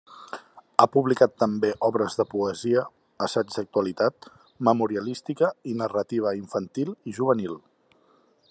Ha publicat també obres de poesia, assaig d’actualitat, memorialística i narrativa infantil i juvenil.